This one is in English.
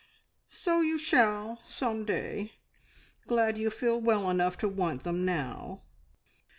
"So you shall some day! Glad you feel well enough to want them now.